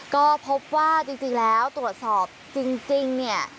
ก็พบว่าจริงจริงแล้วตรวจสอบจริงจริงเนี่ย